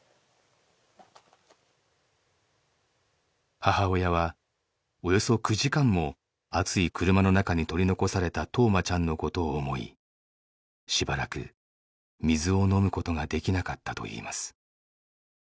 母親はおよそ９時間も暑い車の中に取り残された冬生ちゃんのことを思いしばらく水を飲むことができなかったといいます。